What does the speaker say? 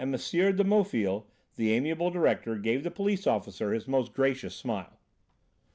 de Maufil, the amiable director, gave the police officer his most gracious smile.